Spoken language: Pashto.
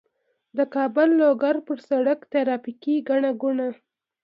د کابل- لوګر په سړک ترافیکي ګڼه ګوڼه